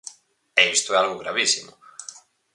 E isto é algo gravísimo.